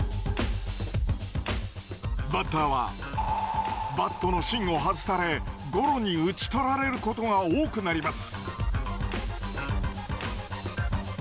バッターはバットの芯を外されゴロに打ち取られることが多くなります。